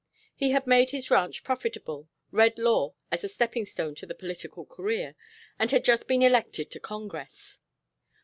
He had made his ranch profitable, read law as a stepping stone to the political career, and had just been elected to Congress.